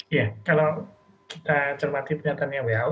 iya kalau kita cermati pernyataannya who